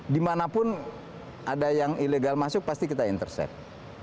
dimanapun ada yang ilegal masuk pasti kita intercept